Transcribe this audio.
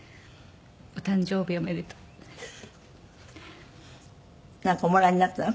「御誕生日おめでとう」なんかおもらいになったの？